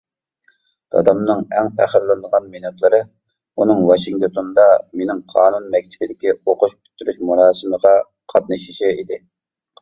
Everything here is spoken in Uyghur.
دادامنىڭ ئەڭ پەخىرلىنىدىغان مىنۇتلىرى، ئۇنىڭ ۋاشىنگتوندا مېنىڭ قانۇن مەكتىپىدىكى ئوقۇش پۈتتۈرۈش مۇراسىمىغا قاتنىشىشى ئىدى.